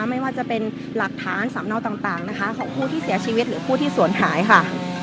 ไม่ว่าจะเป็นหลักฐานสำเนาต่างนะคะของผู้ที่เสียชีวิตหรือผู้ที่ศูนย์หายค่ะ